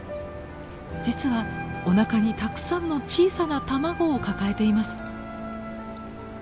実はおなかにたくさんの小さな卵を抱えています。